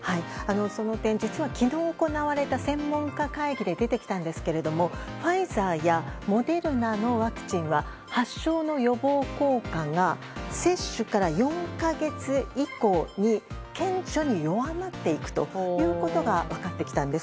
その点、実は昨日行われた専門家会議で出てきたんですがファイザーやモデルナのワクチンは発症の予防効果が接種から４か月以降に顕著に弱まっていくということが分かってきたんです。